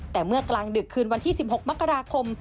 แต่เมื่อกลางดึกคืนวันที่๑๖มกราคม